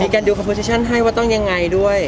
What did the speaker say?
มีใครให้รูปส่งให้ว่าต้องยังไงด้วย